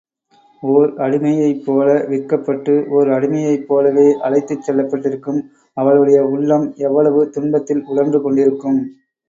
ஓர் அடிமையைப்போல விற்கப்பட்டு, ஓர் அடிமையைப் போலவே அழைத்துச் செல்லப்பட்டிருக்கும் அவளுடைய உள்ளம் எவ்வளவு துன்பத்தில் உழன்று கொண்டிருக்கும்?